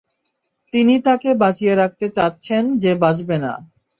তিনি তাকে বাঁচিয়ে রাখতে চাচ্ছেন যে বাঁচবে না।